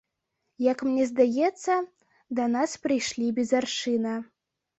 Як мне здаецца, да нас прыйшлі без аршына.